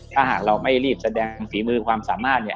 ถ้าหากเราไม่รีบแสดงฝีมือความสามารถเนี่ย